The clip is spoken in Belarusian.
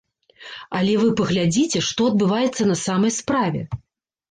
Але вы паглядзіце, што адбываецца на самай справе.